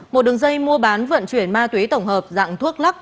một đường dây mua bán vận chuyển ma túy tổng hợp dạng thuốc lắc